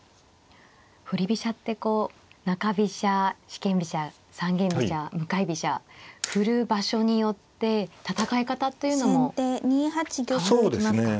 振り飛車ってこう中飛車四間飛車三間飛車向かい飛車振る場所によって戦い方っていうのも変わってきますか。